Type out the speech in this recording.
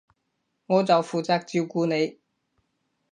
我就負責照顧你